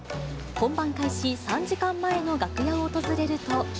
本番開始３時間前の楽屋を訪れると。